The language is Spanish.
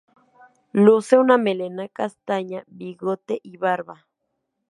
Luce una melena castaña, bigote y barba.